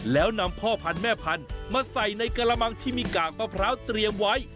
แล้วนำพ่อพันธุ์แม่พันธุ์มาใส่ในกระมังที่มีกากมะพร้าวเตรียมไว้